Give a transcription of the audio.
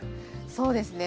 そうですね。